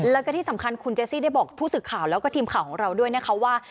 แล้วก็ที่สำคัญคุณเจซี่ได้บอกผู้สื่อข่าวแล้วก็ทีมข่าวของเราด้วยนะคะว่า